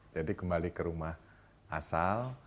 jadi kembali ke rumah asal